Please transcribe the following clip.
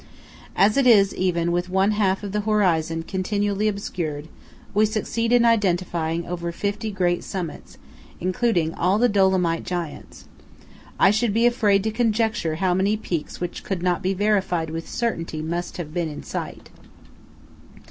As it is, even, with one half of the horizon continually obscured, we succeed in identifying over fifty great summits, including all the Dolomite giants. I should be afraid to conjecture how many peaks which could not be verified with certainty must have been in sight.